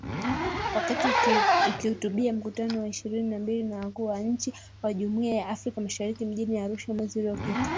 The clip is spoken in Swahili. Wakati akihutubia Mkutano wa ishirini mbili wa Wakuu wa Nchi wa Jumuiya ya Afrika Mashariki mjini Arusha mwezi uliopita